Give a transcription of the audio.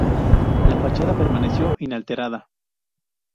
La fachada permaneció inalterada.